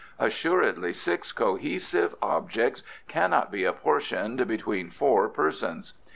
Assuredly six cohesive objects cannot be apportioned between four persons."